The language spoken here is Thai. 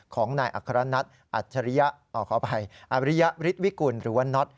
ของนายอัครณัฐอัธริยริยฤทธิ์วิกุลหรือว่าน็อต